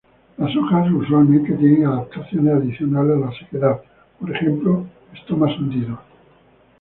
Las hojas usualmente tienen adaptaciones adicionales a la sequedad, por ejemplo estomas hundidos.